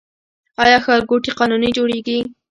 آیا ښارګوټي قانوني جوړیږي؟